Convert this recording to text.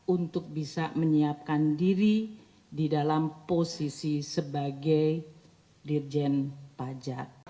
untuk bisa menyiapkan diri di dalam posisi sebagai dirjen pajak